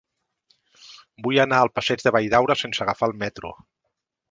Vull anar al passeig de Valldaura sense agafar el metro.